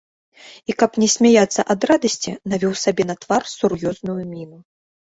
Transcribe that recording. І каб не смяяцца ад радасці, навёў сабе на твар сур'ёзную міну.